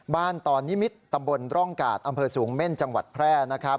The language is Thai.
ตอนนิมิตรตำบลร่องกาดอำเภอสูงเม่นจังหวัดแพร่นะครับ